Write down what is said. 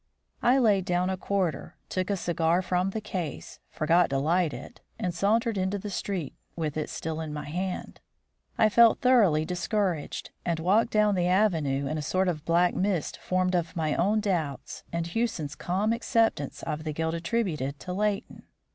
I laid down a quarter, took a cigar from the case, forgot to light it, and sauntered into the street with it still in my hand. I felt thoroughly discouraged, and walked down the avenue in a sort of black mist formed of my own doubts and Hewson's calm acceptance of the guilt attributed to Leighton.